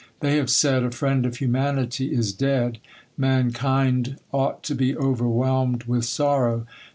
They have said, " A friend of humanity is dead : mankind ought to be overwhelmed with sorrow